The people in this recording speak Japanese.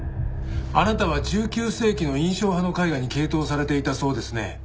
あなたは１９世紀の印象派の絵画に傾倒されていたそうですね。